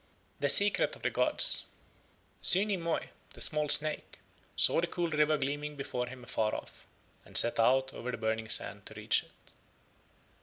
THE SECRET OF THE GODS Zyni Moe, the small snake, saw the cool river gleaming before him afar off and set out over the burning sand to reach it.